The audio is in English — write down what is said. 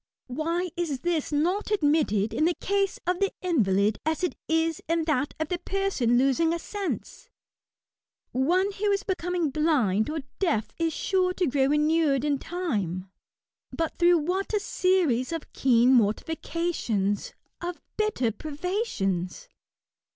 Why is this not admitted in the case of the invalid as it is in that of the person losing a sense ? One who is becoming blind or deaf is sure to grow inured in time ; but through wha;t a series of keen mortifications, of bitter privations